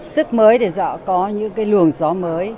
sức mới thì dọa có những cái lường gió mới